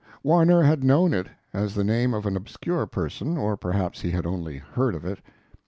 Warner had known it as the name of an obscure person, or perhaps he had only heard of it.